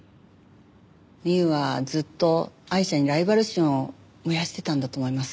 ミウはずっとアイシャにライバル心を燃やしてたんだと思います。